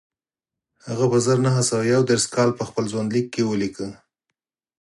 هغه په زر نه سوه یو دېرش کال په خپل ژوندلیک کې ولیکل